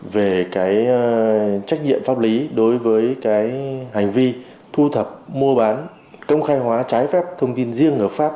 về cái trách nhiệm pháp lý đối với cái hành vi thu thập mua bán công khai hóa trái phép thông tin riêng hợp pháp